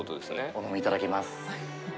お飲みいただけます。